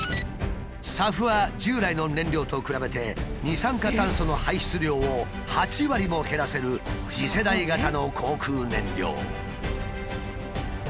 ＳＡＦは従来の燃料と比べて二酸化炭素の排出量を８割も減らせる次世代型の航空燃料。